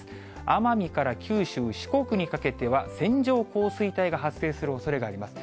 奄美から九州、四国にかけては、線状降水帯が発生するおそれがあります。